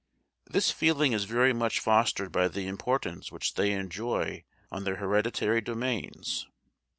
This feeling is very much fostered by the importance which they enjoy on their hereditary domains.